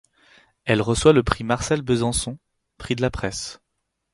Elle reçoit le Prix Marcel Bezençon, Prix de la Presse.